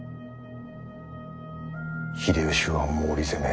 秀吉は毛利攻め。